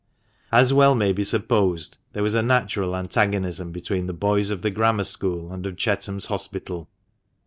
As well may be supposed, there was a natural antagonism between the boys of the Grammar School and of Chetham's Hospital.